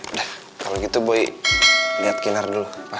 udah kalau gitu boy liat kinar dulu pa